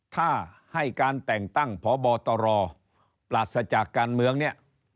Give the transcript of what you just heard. ถ้าให้การแต่งตั้งพบตรปราศจากการเมืองเนี่ย